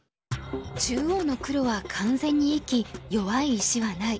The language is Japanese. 中央の黒は完全に生き弱い石はない。